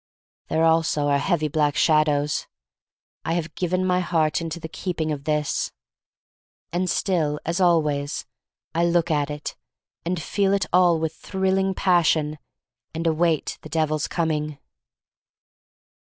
There also are heavy black shadows. I have given my heart into the keep ing of this. And still, as always, I look at it — and feel it all with thrilling passion — and await the Devil's coming.